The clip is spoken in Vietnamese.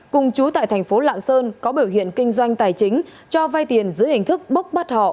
cùng chú tại tp lạng sơn có biểu hiện kinh doanh tài chính cho vay tiền dưới hình thức bốc bắt họ